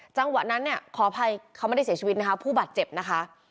จังหวะนั้นเนี่ยขออภัยเขาไม่ได้เสียชีวิตนะคะผู้บาดเจ็บนะคะ